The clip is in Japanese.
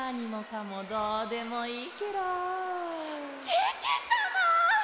けけちゃま！